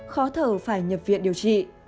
khó thở phải nhập viện điều trị